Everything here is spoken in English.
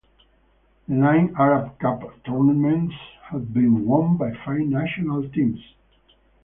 The nine Arab Cup tournaments have been won by five national teams.